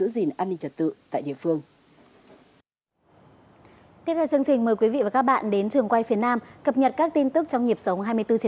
góp phần giữ gìn an ninh trật tự tại địa phương